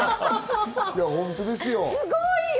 すごいよ。